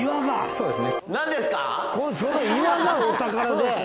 そうです。